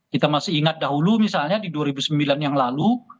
kita masih ingat dahulu misalnya di dua ribu sembilan yang lalu